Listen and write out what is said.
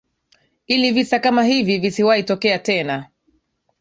ilivisa kama hivi visiwahi tokea tena